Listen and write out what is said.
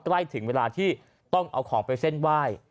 ใกล้ถึงเวลาที่ต้องเอาของไปเส้นไหว้